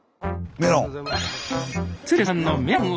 メロンを。